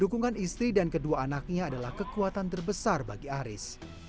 dukungan istri dan kedua anaknya adalah kekuatan terbesar bagi aris